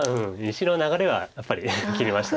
白の流れはやっぱり切りました。